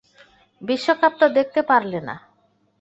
বিশ্বকাপ তো দেখতে পারলে না?